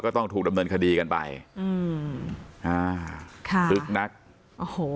ต้องถูกดำเนินคดีกันไปอืมอ่าค่ะคึกนักโอ้โห